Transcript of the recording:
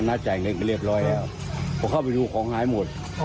นัดจ่ายเงินไปเรียบร้อยเพราะเข้าไปดูของหายหมด